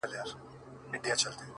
زيرى د ژوند،